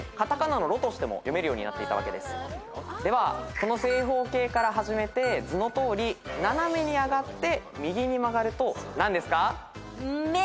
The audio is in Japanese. この正方形から始めて図のとおり斜めに上がって右に曲がると何ですか？